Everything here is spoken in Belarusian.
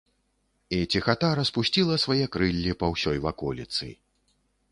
І ціхата распусціла свае крыллі па ўсёй ваколіцы.